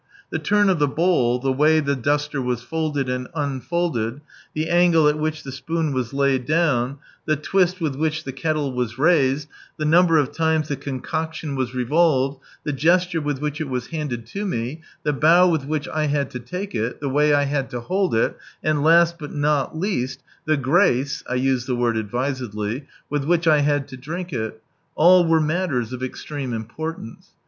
The turn of the bowl, the way the duster was folded, and unfolded, the angle at which the spoon was laid down, the twist with which the kettle was raised, the number of times the concoction was revolved, the gesture with which it was handed to me, the bow with which I had lo lake it, the way I had to hold it, and last, but not least, the grace {t use the word advisedly,) with which I had to drink it— all were matters of extreme importance.